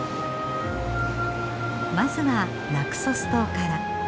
まずはナクソス島から。